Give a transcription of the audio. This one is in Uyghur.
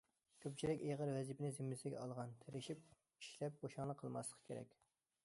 كۆپچىلىك ئېغىر ۋەزىپىنى زىممىسىگە ئالغان، تىرىشىپ ئىشلەپ بوشاڭلىق قىلماسلىقى كېرەك.